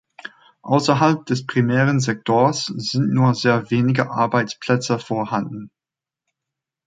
Ausserhalb des primären Sektors sind nur sehr wenige Arbeitsplätze vorhanden.